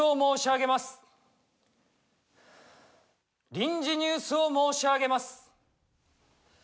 臨時ニュースを申し上げます。